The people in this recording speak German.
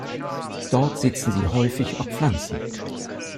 Dort sitzen sie häufig auf Pflanzen.